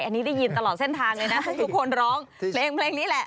อันนี้ได้ยินตลอดเส้นทางเลยนะทุกคนร้องเพลงเพลงนี้แหละ